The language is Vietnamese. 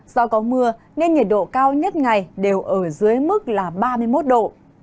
do có mưa nên nhiệt độ cao nhất ngày đều ở dưới mức là ba mươi một độ